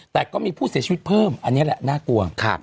แต่ก็มีผู้เสียชีวิตเพิ่มอันนี้แหละน่ากลัว